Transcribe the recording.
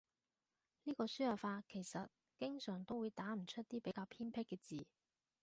呢個輸入法其實經常都會打唔出啲比較偏僻嘅字